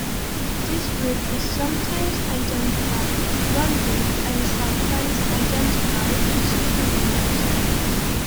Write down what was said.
This group is sometimes identified as one group and sometimes identified as two groups.